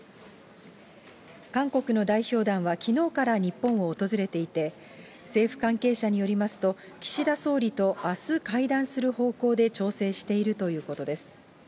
韓国の代表団はきのうから日本を訪れていて、政府関係者によりますと、岸田総理とあす会談する方向で調整しているということです。